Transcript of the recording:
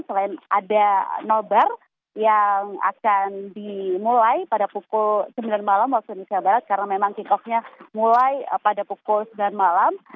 selain ada nobar yang akan dimulai pada pukul sembilan malam waktu indonesia barat karena memang kick off nya mulai pada pukul sembilan malam